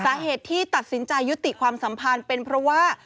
สาเหตุที่ตัดสินใจยุติความสัมพันธ์เป็นเพราะว่า